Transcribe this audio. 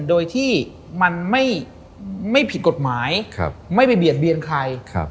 โดยที่มันไม่ไม่ผิดกฎหมายครับไม่ไปเบียดเบียนใครครับ